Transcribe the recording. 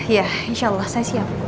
ya insya allah saya siap